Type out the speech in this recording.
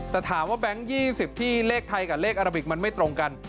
แต่ถามว่าแบงค์๒๐ที่เลขไทยกับเลขอาราบิกมันไม่ตรงกัน